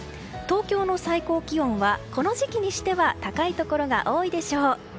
東京の最高気温はこの時期にしては高いところが多いでしょう。